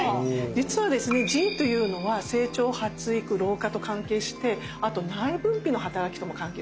実はですね腎というのは成長発育老化と関係してあと内分泌の働きとも関係するんですよ。